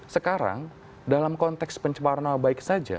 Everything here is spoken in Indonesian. sekarang dalam konteks pencemaran nama baik saja